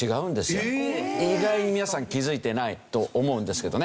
意外に皆さん気づいてないと思うんですけどね。